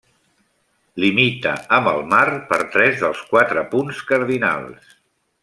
Limita amb el mar per tres dels quatre punts cardinals.